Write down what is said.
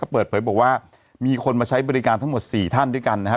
เปิดเผยบอกว่ามีคนมาใช้บริการทั้งหมด๔ท่านด้วยกันนะครับ